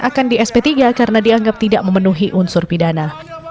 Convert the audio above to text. akan di sp tiga karena dianggap tidak memenuhi unsur pidana